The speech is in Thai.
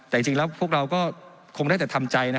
แต่จริงแล้วพวกเราก็คงได้แต่ทำใจนะ